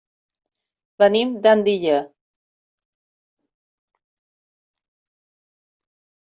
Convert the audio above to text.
Venim d'Andilla.